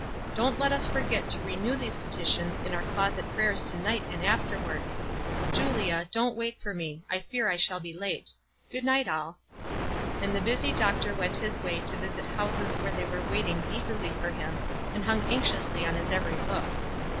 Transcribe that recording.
Don't let us forget to renew these petitions in our closet prayers to night and afterward. Julia, don't wait for me. I fear I shall be late. Good night, all." And the busy doctor went his way to visit houses where they were waiting eagerly for him, and hung anxiously on his every look.